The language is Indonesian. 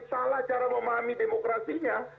salah cara memahami demokrasinya